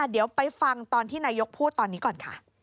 เดี๋ยวไปฟังตอนที่นายกพูดตอนนี้ก่อนค่ะ